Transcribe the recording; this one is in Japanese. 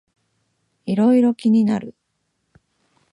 いろいろ気になる